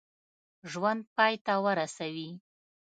ژوند پای ته ورسوي.